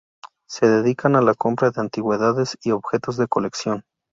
Se dedican a la compra de antigüedades y objetos de colección.